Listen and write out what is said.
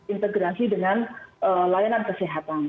integrasi dengan layanan kesehatan